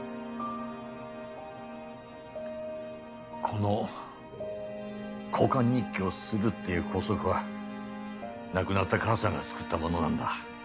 この「交換日記をする」っていう校則は亡くなった母さんが作ったものなんだ。